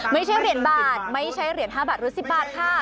ไม่ใช่เหรียญบาทไม่ใช่เหรียญ๕บาทหรือ๑๐บาทค่ะ